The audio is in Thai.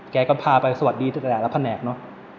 แกก็พาไปสวัสดีทุกแต่ละแผนกเนอะ